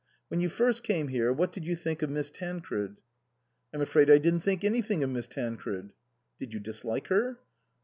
When you first came here what did you think of Miss Tancred ?" "I'm afraid I didn't think anything of Miss Tancred." " Did you dislike her